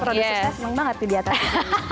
produksinya seneng banget tuh di atas